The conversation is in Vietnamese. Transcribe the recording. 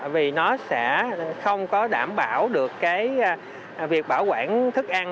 vì nó sẽ không có đảm bảo được cái việc bảo quản thức ăn